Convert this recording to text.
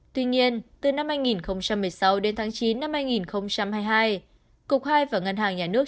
tuy nhiên từ năm hai nghìn một mươi sáu đến tháng chín năm hai nghìn hai mươi hai cục hai và ngân hàng nhà nước